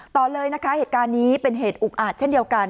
ต่อเลยนะคะเหตุการณ์นี้เป็นเหตุอุกอาจเช่นเดียวกัน